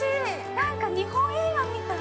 ◆なんか日本映画みたい。